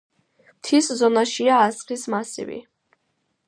მთის ზონაშია ასხის მასივი.